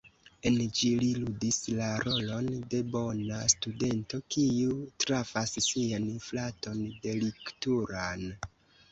En ĝi li ludis la rolon de bona studento kiu trafas sian fraton deliktulan.